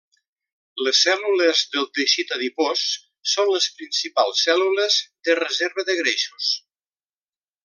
Les cèl·lules del teixit adipós són les principals cèl·lules de reserva de greixos.